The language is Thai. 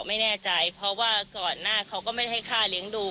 ไม่แน่ใจเพราะว่าก่อนหน้าเขาก็ไม่ได้ให้ค่าเลี้ยงดู